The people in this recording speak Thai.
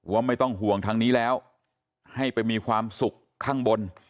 ไม่ต้องห่วงทางนี้แล้วให้ไปมีความสุขข้างบน